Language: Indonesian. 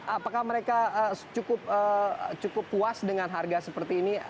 apakah mereka cukup puas dengan harga seperti ini